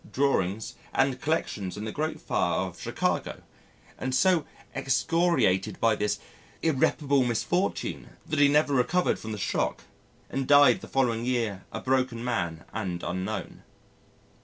drawings, and collections in the great fire of Chicago, and was so excoriated by this irreparable misfortune that he never recovered from the shock, and died the following year a broken man and unknown.